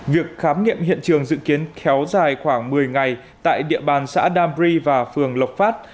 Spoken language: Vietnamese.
việc khám nghiệm hiện trường dự kiến kéo dài khoảng một mươi ngày tại địa bàn xã đam ri và phường lộc phát